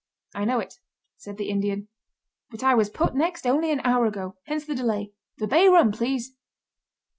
"I know it," said the Indian; "but I was put next only an hour ago hence the delay. The bay rum, please!"